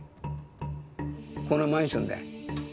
このマンションだよ。